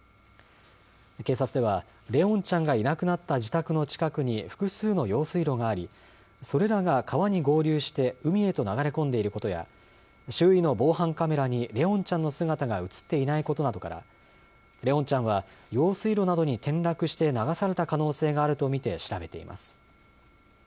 警察では、怜音ちゃんがいなくなった自宅の近くに複数の用水路があり、それらが川に合流して海へと流れ込んでいることや、周囲の防犯カメラに怜音ちゃんの姿が写っていないことなどから、怜音ちゃんは用水路などに転落して流された可能性があるとみて調べています。